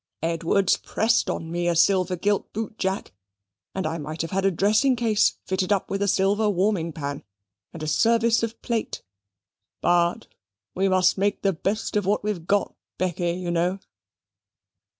Edwards pressed on me a silver gilt boot jack, and I might have had a dressing case fitted up with a silver warming pan, and a service of plate. But we must make the best of what we've got, Becky, you know."